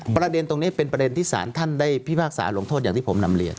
ประเด็นตรงนี้เป็นประเด็นที่สารท่านได้พิพากษาลงโทษอย่างที่ผมนำเรียน